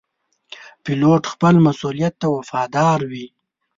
پیلوټ خپل مسؤولیت ته وفادار وي.